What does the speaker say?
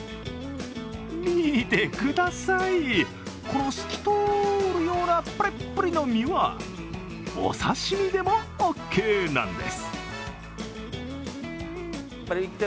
見てください、この透き通るようなプリップリの身はお刺身でもオーケーなんです。